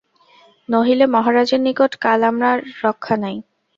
নহিলে মহারাজের নিকট কাল আমার রক্ষা নাই।